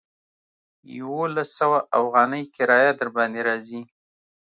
يوولس سوه اوغانۍ کرايه درباندې راځي.